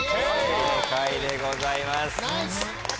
正解でございます。